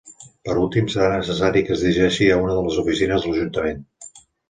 Per últim, serà necessari que es dirigeixi a una de les oficines de l'Ajuntament.